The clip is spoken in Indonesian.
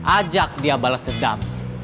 ajak dia balas dendam